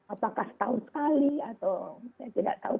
apakah setahun sekali atau saya tidak tahu